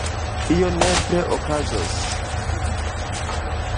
Io nepre okazos.